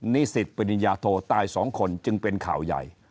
นิสิตปริญญาโทตาย๒คนจึงเป็นข่าวใหญ่